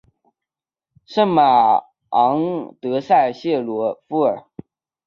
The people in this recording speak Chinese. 圣乌昂德塞谢鲁夫尔。